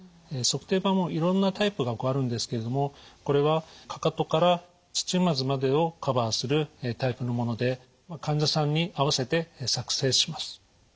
足底板もいろんなタイプがあるんですけれどもこれはかかとから土踏まずまでをカバーするタイプのもので患者さんに合わせて作製します。